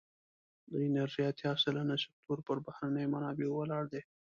د انرژی اتیا سلنه سکتور پر بهرنیو منابعو ولاړ دی.